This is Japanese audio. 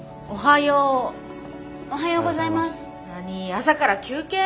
朝から休憩？